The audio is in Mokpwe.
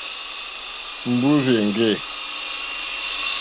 Mbúrzà èŋɡê.